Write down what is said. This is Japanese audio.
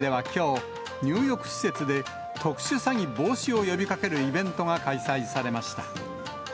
ということで、愛知県名古屋市ではきょう、入浴施設で特殊詐欺防止を呼びかけるイベントが開催されました。